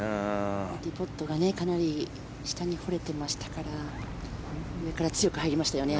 ディボットがかなり下に掘れてましたから上から強く入りましたよね。